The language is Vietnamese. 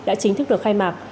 đã chính thức được khai mạc